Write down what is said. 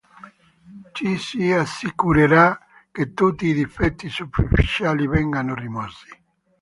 Ci si assicurerà che tutti i difetti superficiali vengano rimossi.